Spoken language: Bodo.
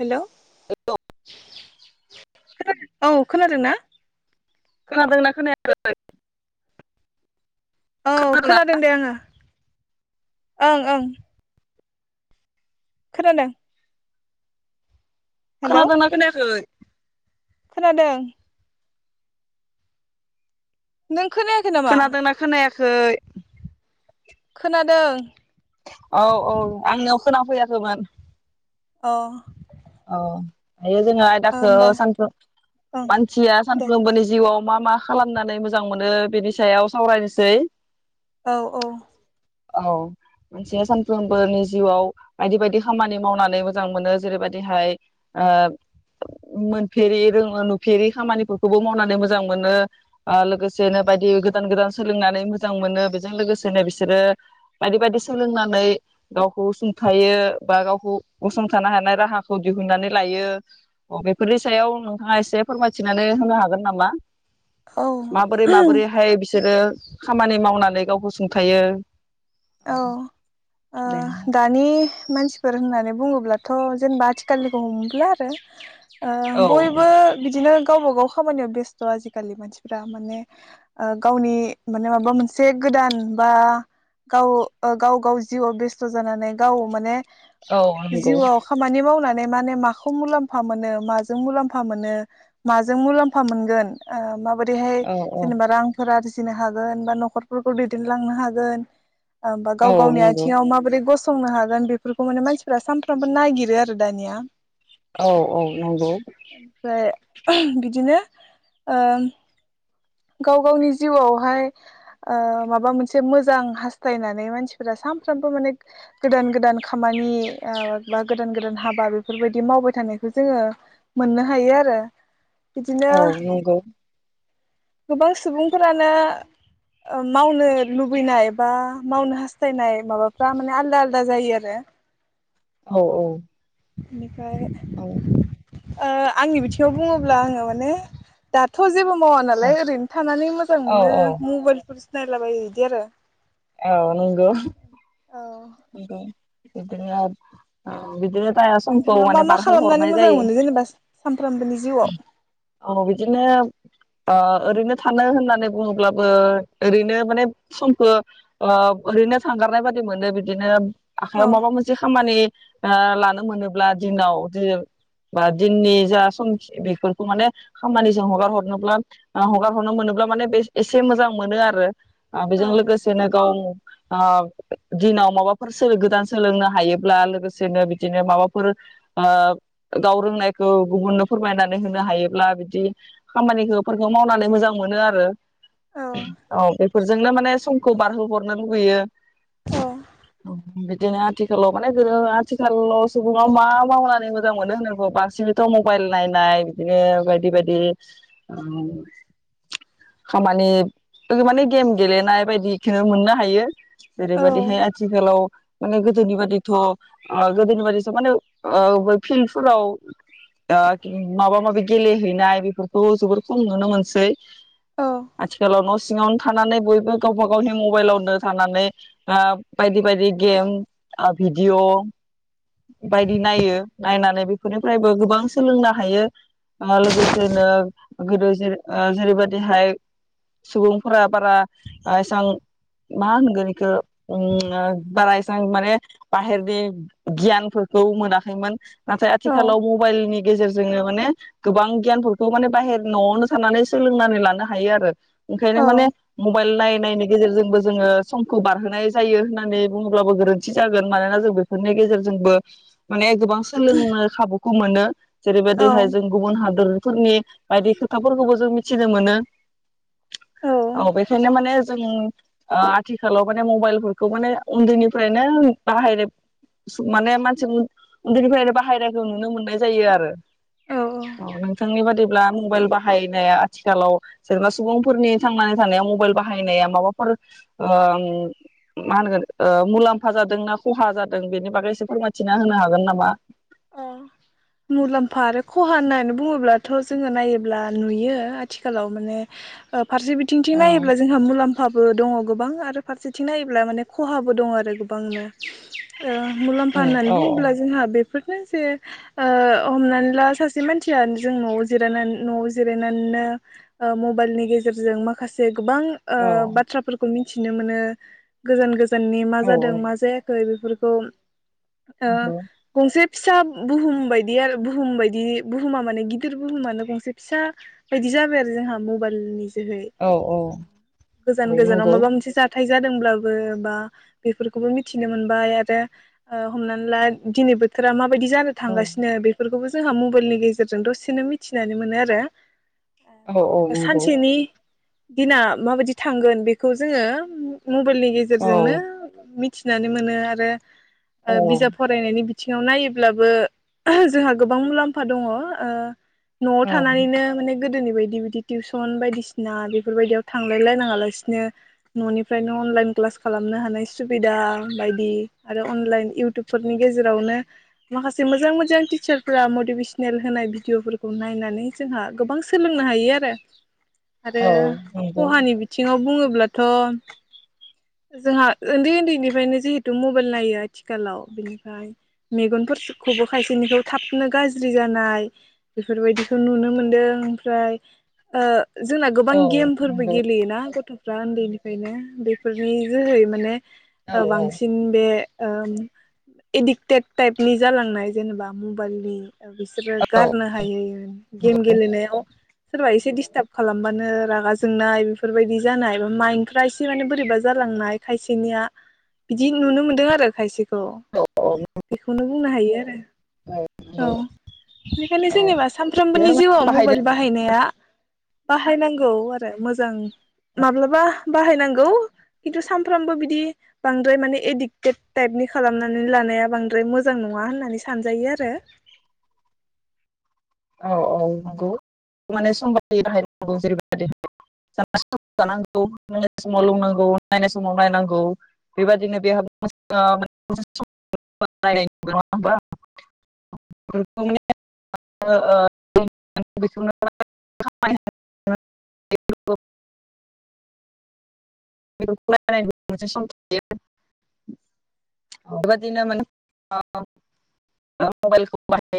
हेलौ। [inaudible] औ खोनादों ना। खादोंना खोनायाखै? औ खोनादोंना खोनादों दे आङो ओं ओं। खोनादों। हेलौ खोनादों ना खोनायाखै? खोनादों। नों। खोनायाखै नामा? खै। खोनादों। खोना फैयाखै मोन। अ। औ। दायो जोङो आयदाखौ होमबा सानफ्रोम ओं मानसिया दे सानफ्रोमबोनि जिउआव मा मा खालामनानै मोजां मोनो बेनि सायाव सावरायनोसै औ औ। औ मोनसेया सानफ्रोमबोनि जिउआव बायदि बायदि खामानि मावनानै मोजां मोनो जेरैबायदि दिहाय ओ मोनफेरै नुफेरि खामानिफोरखौबो मावनानै मोजां मोनो लो ओ गोसेनो बायदि गोदान गोदान सोलोंनानै मोजां मोनो बेजों लोगोसेनो बिसोरो बायदि बायदि सोलोंनानै गावखौसुंथायो बा गावखौ गसंथानो हानाय राहाखौ खौ दिहुननानै लायो बेफोरनि सायाव नोंथाङा एसे फोरमायथिनानै होनो हागोन नामा? औ माबोरै माबोरैहाय बिस सोरो खामानि मावनानै गावखौसुंथायो। औ ओ दानि मानसिफोर होननानै बु बुङोब्लाथ' जेनेबा आथिखालनिखौ हमबोला आरो। ओ औ बयबो बिदिनो। गावबा गाव खामानियाव बेस्थ' आजिखालि मानसिफ्रा माने ओ गावनि माने माबा मोनसे गोदान बा गाव ओ गाव गाव जिउआव बेस्थ' जानानै गाव माने औ नंगौ जिउआव खामानि मावनानै मे मानि माखौ मुलाम्फा मोनो माजों मुलाम्फा मोनो माजों मुलाम्फा मोनगोन माबादि दैहाय औ औ जेनेबा रांफोरा फिनो हागोन बा न'खरफोरखौ दैदेनलांनो हागोन। आं बा औ गाव गावनि नंगौ आथिङाव माबोरै गसं संनो हागोन बेफोरखौ माने मानसिफ्रा सानफ्रामबो नायगिरो आरो दानिया औ औ नंगौ ओमफ्राय बिदिनो ओम गाव गावनि जिउआवहाय अ माबा मोनसे मोजां हास्थायनानै मानसिफोरा सानफ्रामबो माने गोदान गोदान खामानि ओ‌ बा गोदान गोदान हाबा बेफोरबायदि मावबाय थानायखौ जोङो मोननो हायो आरो बिदिनो औ नंगौ गोबां सुबुंफोरानो ओ मावनो लुबैनाय बा मावनो हास्थायनाय माबाफ्रा माने आलदा आलदा जायो आरो औ औ [inaudible] फ्राय औ ओ आंनि बिथिङाव बुङोब्ला आङो माने दाथ जेबो मावा औ नालाय ओरैनो थानानै मोजां औ मोनो मबाइलफोर नायलाबायो इदि आरो औ नंगौ औ [unintelligible] बिदिनो ओ बिदिनो जाया समखौ नोंथाङा मा माने मा खालामनानै बारहोहरनाय मोजां जायो मोनो जेनेबा सानफ्रामबोनि जिउआव औ बिदिनो ओ ओरैनो थानो होननानै बुङोब्लाबो ओरैनो माने समखौ ओ ओरैनो थांगारनाय बादि मोनो बिदि बिदिनो आखायाव औ माबा मोनसे खामानि ओ लानो मोनोब्ला दिनाव बा दिननि जा समखि बेफोरखौ माने खामानिजों हगार हरनोब्ला हगार हरनो मोनोब्ला माने बे एसे मोजां मोनो आरो आ औ बेजों लोगोसेनो गाव आ दिनाव माबाफोर गोदान सोलोंनो हायोब्ला लोगोसेनो बिदिनो माबाफोर ओ गाव रोंनायखौ गुबुननो फोरमायनानै होनो हायोब्ला बिदि खामानिखो फोरखौ मावनानै मोजां मोनो आरो औ औ बे फोरजोंनो माने समखौ बारहोहरनो लुुबैयो बिदिनो आथिखालाव माने गोदो आथिखालाव सुबुङा मा मावनानै मोजां मोनो होनोबा बांसिनथ मबाइल नायनाय बिदिनो बायदि बायदि ओ खामानि माने गेम गेलेनाय बायदिखोनो मोननो हायो। औ जेरैबादि [unintelligible] आथिखालाव माने गोदोनि बादिथ ओ गोदोनि बादिसो माने ओ फिल्डफोराव माबा माबि गेलेहैनाय बेफोरखौ जबोर खम नुनो मोनसै आथिखालाव नसिङावनो थानानै बयबो गावब गावनि मबाइलावनो थानानै ओ बायदि बायदि गेम ओ भिडिअ बायदि नायो नायनानै बेफोरनिफ्रायबो गोबां सोलोंनो हायो ओ लोगोसेनो गोदो जेरै-जेरैबायदिहाय सुबुंफोरा बारा एसां मा होनगोन इखो बारा एसां माने बाहेरनि गियानफोरखौ मोनाखैमोन नाथाय आथिखालाव मबाइलनि गेजेरजोंनो माने गोबां गियानफोरखौ माने बाहेर नआवनो थानानै सोलोंनानै लानो हायो आरो ओंखायनो माने औ मबाइल नाय नायनि गेजेरजोंबो जोङो समखौ बारहोनाय जायो होननानै बुङोब्लाबो गोरोन्थि जागोन मानोना जों बेफोरनि गेजेरजों जोंबो माने गोबां सोलोंनो खाबु खौ मोनो। जेरैबायदिहाय जों गुबुन हादरफोरनि बायदि खोथाफोरखौबो जों मिथिनो मोनो। औ बेखायनो माने जों ओ आथिखालाव माने मबाइलफोरखौ माने उन्दैनिफ्रायनो बाहायनाय सुग माने मानसि उन-उन्दैनिफ्रायनो बाहायनायखौ नुनो मोननाय जायो आरो। औ नोंथांनि बादिब्ला मबाइल बाहायनाया आथिखालाव सोरबा सुबुंफोरनि थांनानै थानायाव मबाइल बाहायनाया माबाफोर ओ ओं मा होनगोन ओ मुलाम्फा जादों ना खहा जादों बेनि बागै एसे फोरमायथिना होनो हागोन नामा? ओं मुलाम्फा आरो खहा होननानै बुङोब्लाथ' जोङो नायोब्ला नुयो आथिखालाव माने ओ फारसेबिथिं थिं औ नायोब्ला जोंहा मुलाम फाबो दङ गोबां आरो फारसेथिं नायोब्ला माने खहाबो दङ आरो गोबांनो ओ मुलाम्फा होननानै बुङोब्ला जोंहा बे फोरनो जे ओ हमनानै ला सासे मानसिया जों न'आव जिरायनान न'आव जिरायनानैनो ओ मबाइलनि गेजेरजों माखासे गोबां ओ औ बाथ्राफोरखौ मिन थिनो मोनो गोजान गो जाननि मा औ जादों मा जायाखै बे फोरखौ ओ जे फिसा बुहुम बायदि आरो बुहुम बायदि बुहुमा माने गिदिर बुहुमानो गंसे फिसा बायदि जाबाय आरो जोंहा मबाइल नि दोहै औ औ गोजान-गोजानाव नंगौ माबा मोनसे जाथाय जादोंब्लाबो बा बेफोरखौबो मिथिनो मोनबाय आरो ओ हमनानै ला दिनै बो थोरा मा बायदि जानो औ थांगासिनो बेफोरखौबो जोंहा मबाइलनि गेजेरजों दसेनो मिथिनानै मोनो आरो। औ औ ओ नंगौ सानसेनि दिना माबायदि थांगोन बेखौ जोङो मबाइलनि औ गेजेरजोंनो मि थिनानै मोनो आरो ओ औ बिजाब फरायनायनि बि थिङाव नायोब्लाबो जोंहा गोबां मुलाम्फा दङ। ओ न'आव औ थानानैनो माने गोदोनि बाय दि बिदि टिउसन बायदिसिना बेफोरबायदियाव थांलाय लायनाङा लासिनो न'निफ्रायनो अनलाइन क्लास खालामनो हानाय सुबिदा बायदि आरो अनलाइन इउटुबफोरनि गेजे जेरावनो माखासे मोजां मोजां टिच्चार फोरा मटिभेसनेल होनाय भिडिअफोरखौ नायनानै जोंहा गोबां सोलोंनो हायो आरो आरो नंगौ खहानि बिथिङाव बुङो ब्लाथ' जोंहा ओन्दै ओन्दैनिफ्रायनो जिहेथु मबाइल नायो आथिखालाव ओ मेगनफोरखौबो खायसेनिखौ थाबनो गाज्रि जानाय बेफोरबायदिखौ नुनो मोनदों ओमफ्राय ओ जोंना गोबां औ गेमफोरबो नंगौ गेलेयोना गथ' फ्रा ओन्दैनिफ्रायनो बे फोरनि जोहै माने औ ओ बांसिन बे ओ एडिक्टेड टाइपनि जालांनाय जेनेबा मबाइलनि ओ बिसोरो औ गारनो हायै गेम नंगौ गेलेनायाव सोरबा एसे दिस थाब खालामबानो रागा जोंनाय बेफोरबायदि जानाय बा माइन्फ्रा एसे माने बोरैबा जालांनाय खायसेनिया बिदि नुनो मोनदों आरो खायसे खौ औ औ नंगौ बेखौनो बुंनो हायो आरो औ बेनिखायनो जेनेबा बिनो सानफ्रोमबोनि माने जिउआव बाहायदों मबाइल बाहायनाया बाहायनांगौ। मोजां माब्लाबा बाहायनांगौ खिन्थु सानफ्रामबो बिदि बांद्राय माने एडिक्टेड टाइपनि खालामनानै लानाया बांद्राय मोजां नङा होननानै सानजायो आरो [inaudible] औ औ नंगौ माने सम बादि बाहायनांगौ जेरैबायदि [unintelligible] समाव लोंनांगौ नायनाय समाव नायनांगौ बेबायदिनो [unintelligible] [unintelligible] [unintelligible] बेबायदिनो माने [unintelligible]